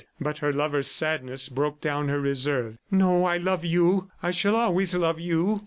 But her lover's sadness broke down her reserve. "No, I love you. ... I shall always love you."